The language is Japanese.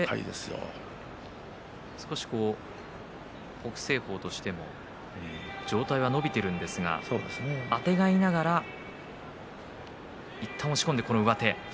北青鵬としても上体が伸びているんですがあてがいながらいったん押し込んでからの上手。